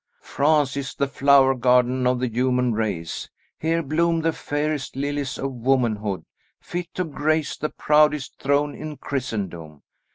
France is the flower garden of the human race; here bloom the fairest lilies of womanhood, fit to grace the proudest throne in Christendom.